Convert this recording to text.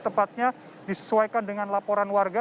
tepatnya disesuaikan dengan laporan warga